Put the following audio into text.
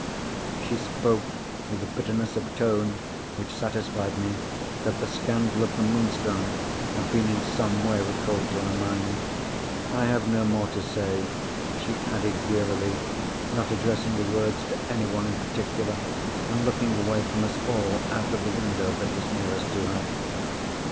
She spoke with a bitterness of tone which satisfied me that the scandal of the Moonstone had been in some way recalled to her mind. "I have no more to say," she added, wearily, not addressing the words to anyone in particular, and looking away from us all, out of the window that was nearest to her.